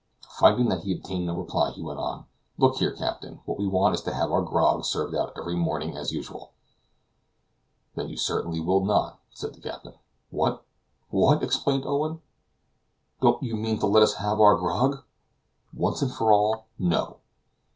Finding that he obtained no reply, he went on: "Look here, captain, what we want is to have our grog served out every morning as usual." "Then you certainly will not," said the captain. "What! what!" exclaimed Owen, "don't you mean to let us have our grog?" "Once and for all, no."